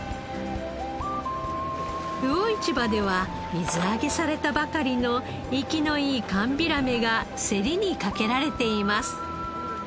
魚市場では水揚げされたばかりの生きのいい寒ビラメが競りにかけられています。